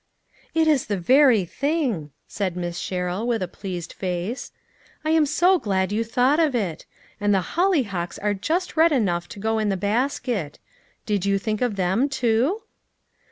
"It is the very thing," said Miss Sherrill with a pleased face ;" I am so glad you thought of it. And the hollyhocks are just red enough to go in the basket. Did you think of them too